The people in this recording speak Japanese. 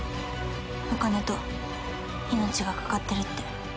お金と命が懸かってるって」